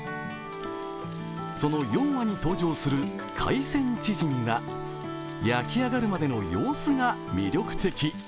その４話に登場する海鮮チヂミが焼き上がるまでの様子が魅力的。